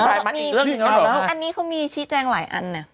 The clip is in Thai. อันนี้เขามีชี้แจงหลายอันเนี่ย